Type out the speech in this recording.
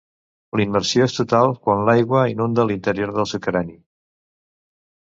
La immersió és total quan l'aigua inunda l'interior del seu crani.